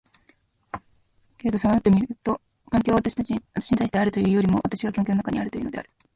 けれど翻って考えてみると、環境は私に対してあるというよりも私が環境の中にあるのである。